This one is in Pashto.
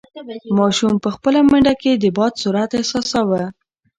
ماشوم په خپله منډه کې د باد سرعت احساساوه.